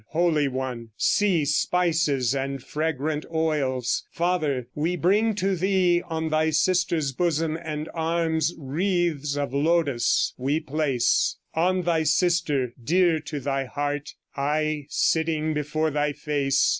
Holy one! See, Spices and fragrant oils, Father, we bring to thee. On thy sister's bosom and arms Wreaths of lotus we place; On thy sister, dear to thy heart, Aye sitting before thy face.